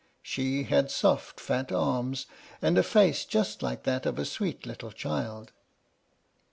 She had soft, fat arms, and a face just like that of a sweet little child.